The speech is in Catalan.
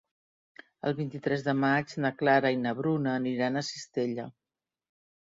El vint-i-tres de maig na Clara i na Bruna aniran a Cistella.